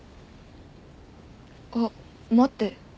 あっ待って。